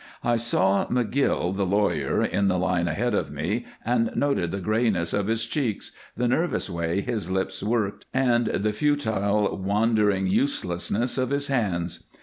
I saw McGill, the lawyer, in the line ahead of me and noted the grayness of his cheeks, the nervous way his lips worked, and the futile, wandering, uselessness of his hands.